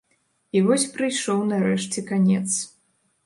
І вось прыйшоў нарэшце канец.